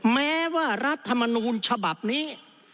แม้ว่ารัฐมนูลฉบับนี้